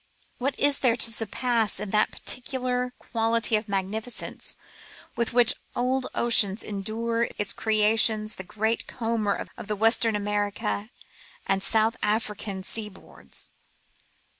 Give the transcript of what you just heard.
What is there to surpass in that particular quality of magnificence with which old ocean endows its creations the giant comber of the Western American and South African seaboards